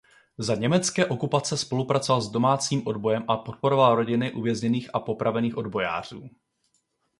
Za německé okupace spolupracoval s domácím odbojem a podporoval rodiny uvězněných a popravených odbojářů.